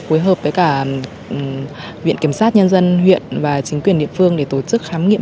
phối hợp với cả viện kiểm sát nhân dân huyện và chính quyền địa phương để tổ chức khám nghiệm